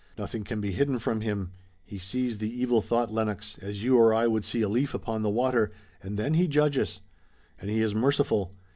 Nothing can be hidden from him. He sees the evil thought, Lennox, as you or I would see a leaf upon the water, and then he judges. And he is merciful.